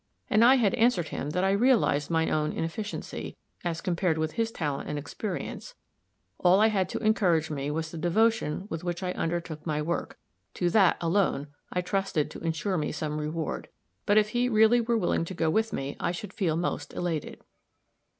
And I had answered him that I realized my own inefficiency, as compared with his talent and experience all I had to encourage me was the devotion with which I undertook my work to that, alone, I trusted to insure me some reward. But if he really were willing to go with me, I should feel almost elated.